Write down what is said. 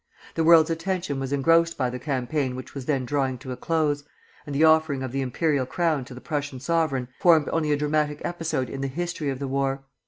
The world's attention was engrossed by the campaign which was then drawing to a close, and the offering of the imperial crown to the Prussian sovereign formed only a dramatic episode in the history of the war.